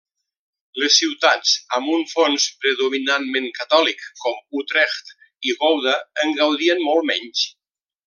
Les ciutats amb un fons predominantment catòlic com Utrecht i Gouda, en gaudien molt menys.